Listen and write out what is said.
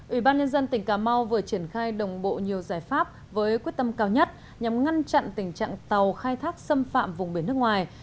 ủy ban nhân dân tỉnh cà mau vừa triển khai đồng bộ nhiều giải pháp với quyết tâm cao nhất nhằm ngăn chặn tình trạng tàu khai thác xâm phạm vùng biển nước ngoài